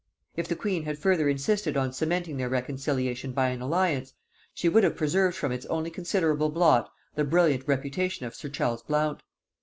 If the queen had further insisted on cementing their reconciliation by an alliance, she would have preserved from its only considerable blot the brilliant reputation of sir Charles Blount.